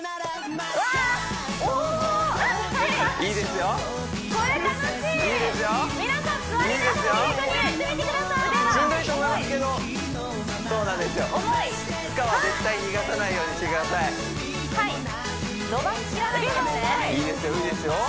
いいですよいいですよ